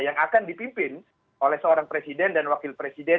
yang akan dipimpin oleh seorang presiden dan wakil presiden